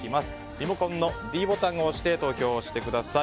リモコンのｄボタンを押して投票してください。